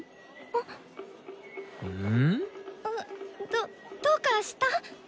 どどうかした？